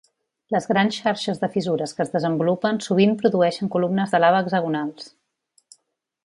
Les grans xarxes de fissures que es desenvolupen sovint produeixen columnes de lava hexagonals.